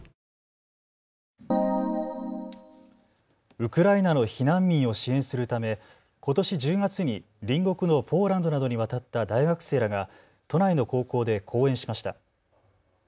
ウクライナの避難民を支援するため、ことし１０月に隣国のポーランドなどに渡った大学生らが都内の高校で講演しました。